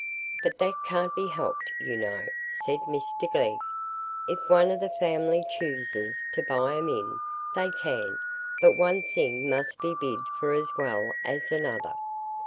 "But that can't be helped, you know," said Mr Glegg. "If one o' the family chooses to buy 'em in, they can, but one thing must be bid for as well as another."